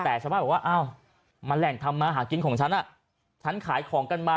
แปลกสันว่าอ้าวมาแรงทำมาหากินของฉันฉันขายของกันมา